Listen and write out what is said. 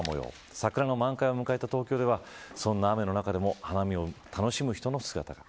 桜の満開を迎えた東京ではそんな雨の中でも花見を楽しむ人の姿が。